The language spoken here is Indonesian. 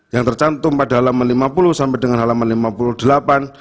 yang tercantum pada halaman lima puluh sampai dengan halaman lima puluh delapan